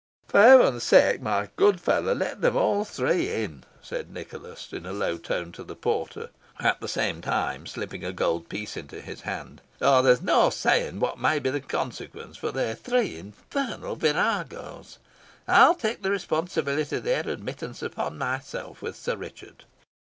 "For Heaven's sake, my good fellow, let them all three in!" said Nicholas, in a low tone to the porter, at the same time slipping a gold piece into his hand, "or there's no saying what may be the consequence, for they're three infernal viragos. I'll take the responsibility of their admittance upon myself with Sir Richard."